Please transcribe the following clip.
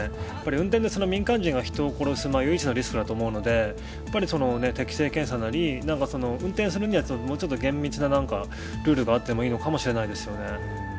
運転って民間人が人を殺す唯一のリスクだと思うので適性検査なり運転するにはもうちょっと厳密なルールがあってもいいのかもしれませんよね。